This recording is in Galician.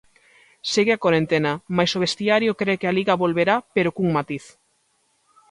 Segue a corentena, mais o vestiario cre que a Liga volverá pero cun matiz.